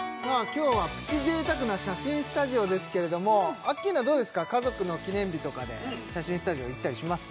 今日はプチ贅沢な写真スタジオですけれどもアッキーナどうですか家族の記念日とかで写真スタジオ行ったりします？